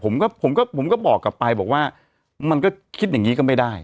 ผมก็ผมก็บอกกลับไปบอกว่ามันก็คิดอย่างนี้ก็ไม่ได้